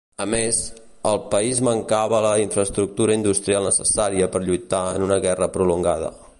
A més, el país mancava la infraestructura industrial necessària per lluitar en una guerra prolongada.